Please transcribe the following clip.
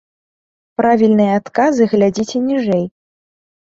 Правільныя адказы глядзіце ніжэй!